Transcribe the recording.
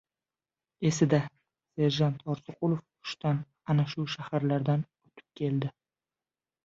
Esida, serjant Orziqulov urushdan ana shu shaharlardan o‘tib keldi.